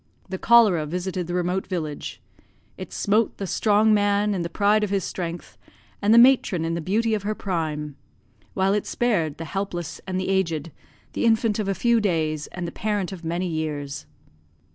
The cholera visited the remote village. It smote the strong man in the pride of his strength, and the matron in the beauty of her prime; while it spared the helpless and the aged, the infant of a few days, and the parent of many years.